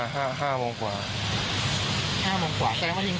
๕โมงกว่าแสดงว่าทิ้งเสื้อก่อนแล้วก็มาทิ้งมีด